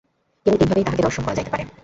কেবল এইভাবেই তাঁহাকে দর্শন করা যাইতে পারে।